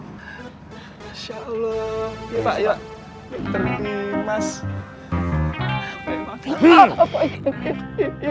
masyaallah ya pak ya